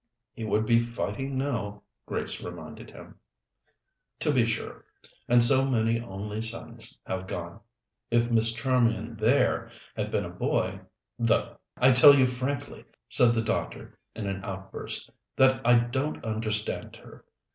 "He would be fighting now," Grace reminded him. "To be sure, and so many only sons have gone. If Miss Charmian there had been a boy, though! I tell you frankly," said the doctor, in an outburst, "that I don't understand her.